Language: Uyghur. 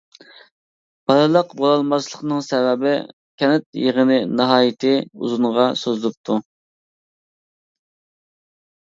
-بالىلىق بولالماسلىقنىڭ سەۋەبى كەنت يىغىنى ناھايىتى ئۇزۇنغا سوزۇلۇپتۇ.